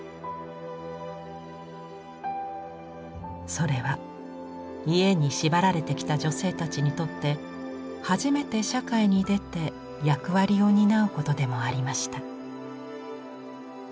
それは家に縛られてきた女性たちにとって初めて社会に出て役割を担うことでもありました。